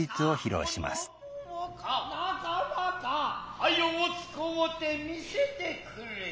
早う使うて見せてくれい。